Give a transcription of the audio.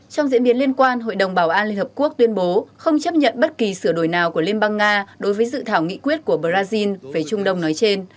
trong diễn biến liên quan hội đồng bảo an liên hợp quốc tuyên bố không chấp nhận bất kỳ sửa đổi nào của liên bang nga đối với dự thảo nghị quyết của brazil về trung đông nói trên